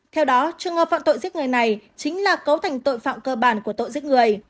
theo đó trường hợp phạm tội giết người này chính là cấu thành tội phạm cơ bản của tội giết người